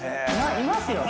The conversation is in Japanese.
いますよね